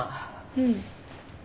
うん。